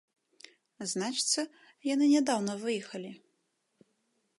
Значыцца, яны нядаўна выехалі!